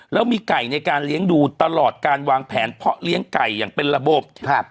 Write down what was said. แล้วมีไก่ในการเลี้ยงดูตลอดการวางแผนเพาะเลี้ยงไก่อย่างเป็นระบบครับ